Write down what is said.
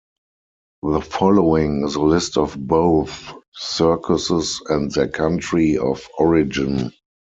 The following is a list of both circuses and their country of origin.